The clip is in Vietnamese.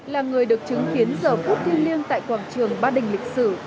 là người được chứng kiến giờ phút thiêng liêng tại quảng trường ba đình lịch sử